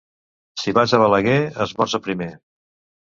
Si vas a Balaguer, esmorza primer.